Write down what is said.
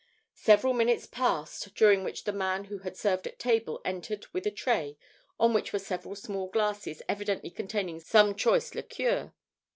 Several minutes passed during which the man who had served at table entered with a tray on which were several small glasses evidently containing some choice liqueur.